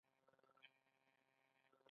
دوی له تیرو څخه زده کړه کوي.